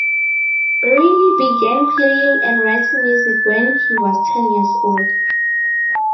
Briley began playing and writing music when he was ten years old.